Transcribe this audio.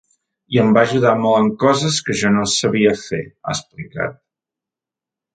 I em va ajudar molt en coses que jo no sabia fer, ha explicat.